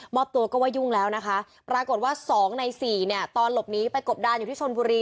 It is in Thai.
อบตัวก็ว่ายุ่งแล้วนะคะปรากฏว่าสองในสี่เนี่ยตอนหลบหนีไปกบดานอยู่ที่ชนบุรี